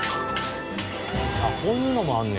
こういうのもあんねや。